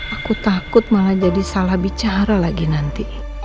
aku takut malah jadi salah bicara lagi nanti